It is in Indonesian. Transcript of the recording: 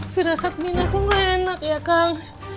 firasat minah kok gak enak ya kang